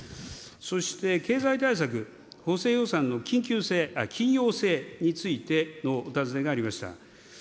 そして経済対策、補正予算の緊要性についてのお尋ねがありました。